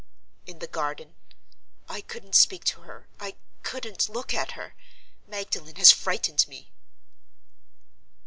"In the garden. I couldn't speak to her; I couldn't look at her. Magdalen has frightened me."